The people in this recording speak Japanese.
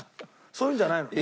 そういうんじゃないの？